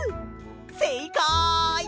せいかい！